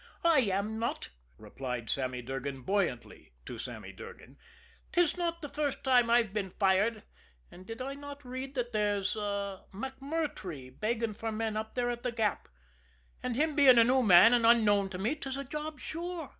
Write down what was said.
"I am not!" replied Sammy Durgan buoyantly to Sammy Durgan. "'Tis not the first time I've been fired, and did I not read that there's MacMurtrey begging for men up at The Gap? And him being a new man and unknown to me, 'tis a job sure.